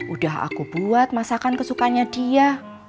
udah aku buat masakan kesukanya dia